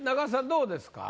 どうですか？